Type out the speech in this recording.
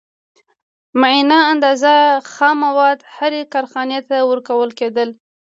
معینه اندازه خام مواد هرې کارخانې ته ورکول کېدل